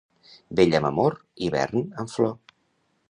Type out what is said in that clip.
Vell amb amor, hivern amb flor.